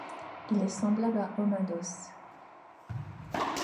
Il est semblable à Homados.